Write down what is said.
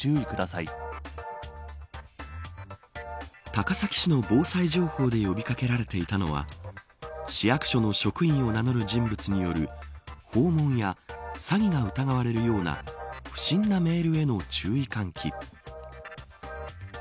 高崎市の防災情報で呼び掛けられていたのは市役所の職員を名乗る人物による訪問や詐欺が疑われるような不審なメールへの注意喚起。